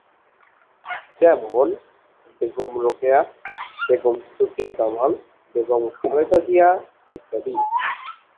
যেমন, বেগম রোকেয়া, বেগম সুফিয়া কামাল, বেগম খালেদা জিয়া ইত্যাদি।